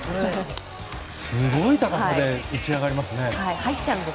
すごい高さで打ち上がりますね。